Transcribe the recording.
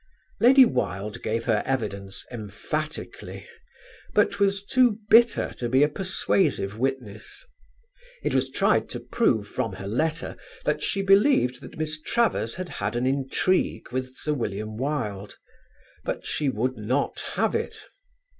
Lady Wilde gave her evidence emphatically, but was too bitter to be a persuasive witness. It was tried to prove from her letter that she believed that Miss Travers had had an intrigue with Sir William Wilde, but she would not have it.